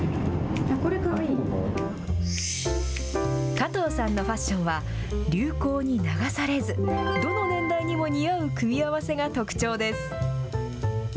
加藤さんのファッションは流行に流されずどの年代にも似合う組み合わせが特徴です。